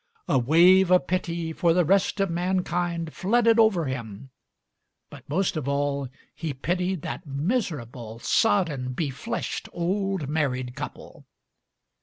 A wave of pity for the rest of mankind flooded over him, but most of all he pitied that miserable, sodden, befleshed old married couple.